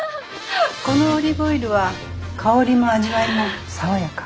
このオリーブオイルは香りも味わいも爽やか。